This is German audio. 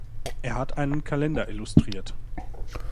Er hat einen Kalender illustriert.